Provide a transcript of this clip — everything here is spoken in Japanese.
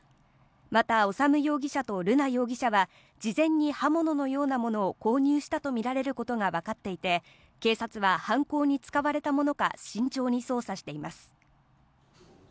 また修容疑者と瑠奈容疑者は事前に刃物のようなものを購入したとみられることがわかっていて、警察は犯行に使われたものか慎重に捜査しています。